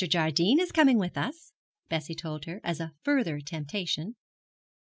Jardine is coming with us,' Bessie told her, as a further temptation.